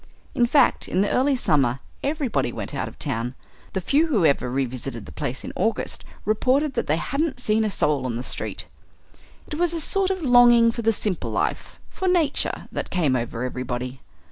In fact, in the early summer everybody went out of town. The few who ever revisited the place in August reported that they hadn't seen a soul on the street. It was a sort of longing for the simple life, for nature, that came over everybody.